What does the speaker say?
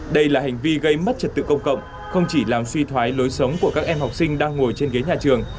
đây là hành vi gây mất trật tự công cộng không chỉ làm suy thoái lối sống của các em học sinh đang ngồi trên ghế nhà trường